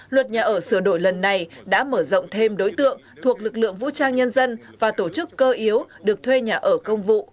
luật nhà ở sửa đổi lần này đã mở rộng thêm đối tượng thuộc lực lượng vũ trang nhân dân và tổ chức cơ yếu được thuê nhà ở công vụ